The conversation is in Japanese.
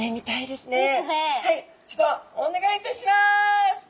ではお願いいたします！